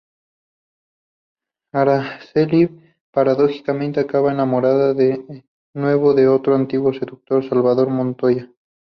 Araceli, paradójicamente, acaba enamorada de nuevo de otro antiguo seductor: Salvador Montoya.